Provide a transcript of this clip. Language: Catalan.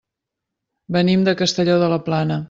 Venim de Castelló de la Plana.